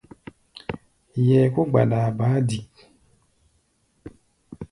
Yɛɛ kó gbadaa baá dik.